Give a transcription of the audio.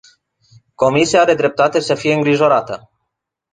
Comisia are dreptate să fie îngrijorată.